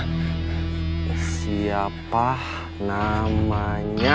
kamu juga kena